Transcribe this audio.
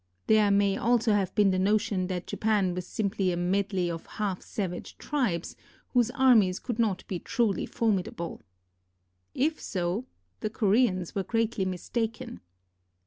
There may also have been the notion that Japan was simply a medley of half savage tribes, whose armies could not be truly formidable. If so, the Koreans were greatly mistaken.